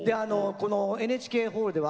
ＮＨＫホールは